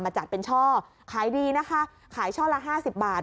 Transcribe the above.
จัดเป็นช่อขายดีนะคะขายช่อละห้าสิบบาท